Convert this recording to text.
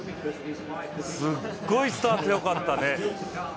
すっごいスタートよかったね。